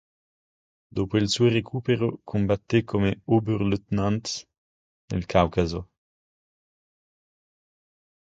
Dopo il suo recupero, combatté come Oberleutnant nel Caucaso.